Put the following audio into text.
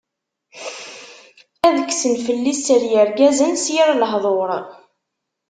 Ad kksen fell-i sser yirgazen s yir lehḍur.